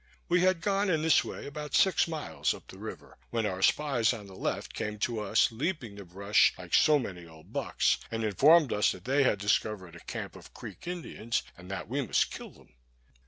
We had gone in this way about six miles up the river, when our spies on the left came to us leaping the brush like so many old bucks, and informed us that they had discovered a camp of Creek Indians, and that we must kill them.